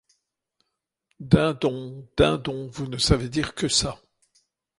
Din don, din don ; vous ne savez dire que ça.